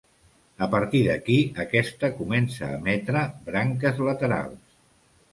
A partir d'aquí aquesta comença a emetre branques laterals.